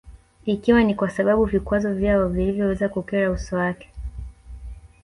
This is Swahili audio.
Ikiwa ni kwa sababu vikwazo vyao vilivyoweza kukera uso wake